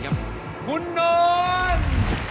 คุณนนท์ครับคุณนนท์